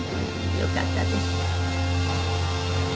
よかったです。